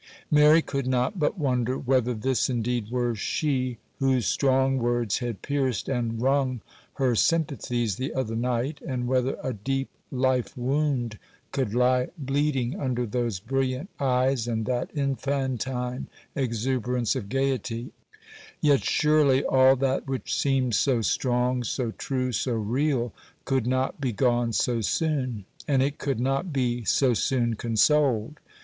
Mary could not but wonder whether this indeed were she whose strong words had pierced and wrung her sympathies the other night, and whether a deep life wound could lie bleeding under those brilliant eyes and that infantine exuberance of gaiety; yet surely all that which seemed so strong, so true, so real, could not be gone so soon,—and it could not be so soon consoled.